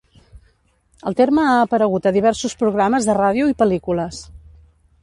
El terme ha aparegut a diversos programes de ràdio i pel·lícules.